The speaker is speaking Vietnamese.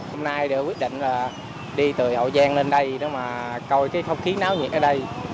hôm nay đã quyết định đi từ hậu giang lên đây coi cái không khí náo nhẹt ở đây